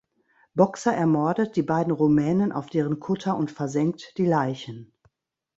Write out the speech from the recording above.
Boxer ermordet die beiden Rumänen auf deren Kutter und versenkt die Leichen.